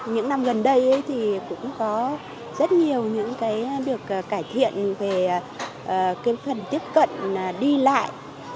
những năm gần đây thì cũng có rất nhiều những cái được cải thiện về cái phần tiếp cận đi lại